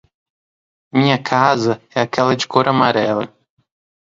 Minha casa é aquela de cor amarela.